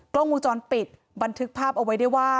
กล้องวงจรปิดบันทึกภาพเอาไว้ได้ว่า